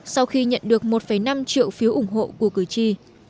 sau khi nhận được một năm triệu phiếu ủng hộ của cử tri